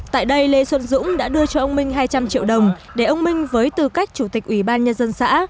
tại đây lê xuân dũng đã đưa cho ông minh hai trăm linh triệu đồng để ông minh với tư cách chủ tịch ủy ban nhân dân xã